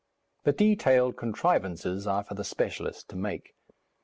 The detailed contrivances are for the specialist to make.